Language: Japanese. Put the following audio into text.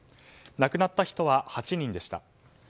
亡くなった人は８人でした。